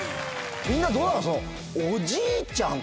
みんなどうなの？